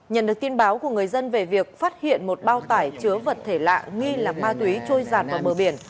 nhận được tin báo của người dân về việc phát hiện một bao tải chứa vật thể lạ nghi là ma túy trôi giạt vào bờ biển